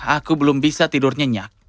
aku belum bisa tidur nyenyak